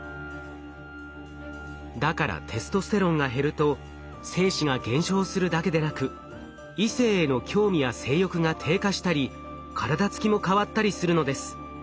だからテストステロンが減ると精子が減少するだけでなく異性への興味や性欲が低下したり体つきも変わったりするのです。